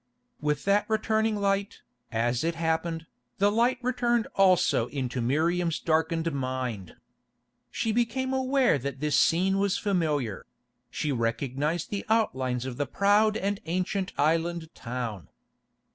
With that returning light, as it happened, the light returned also into Miriam's darkened mind. She became aware that this scene was familiar; she recognised the outlines of the proud and ancient island town.